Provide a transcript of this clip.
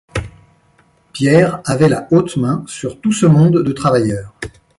Pierre avait la haute main sur tout ce monde de travailleurs.